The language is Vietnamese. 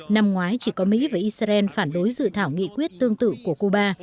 năm ngoái chỉ có mỹ và israel phản đối dự thảo nghị quyết tương tự của cuba